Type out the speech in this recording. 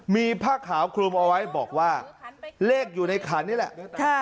มีผ้าขาวคลุมเอาไว้บอกว่าเลขอยู่ในขันนี่แหละ